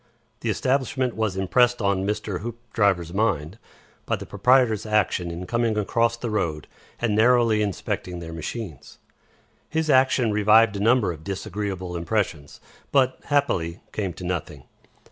The establishment was impressed on Mr. Hoopdriver's mind by the proprietor's action in coming across the road and narrowly inspecting their machines. His action revived a number of disagreeable impressions, but, happily, came to nothing.